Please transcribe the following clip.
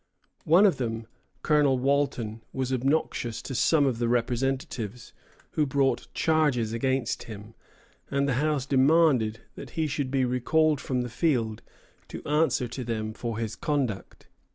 One of them, Colonel Walton, was obnoxious to some of the representatives, who brought charges against him, and the House demanded that he should be recalled from the field to answer to them for his conduct.